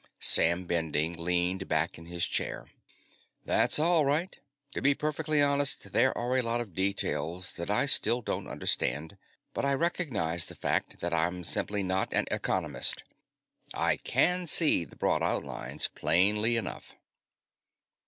Sam Bending leaned back in his chair. "That's all right. To be perfectly honest, there are a lot of details that I still don't understand. But I recognize the fact that I'm simply not an economist; I can see the broad outlines plainly enough."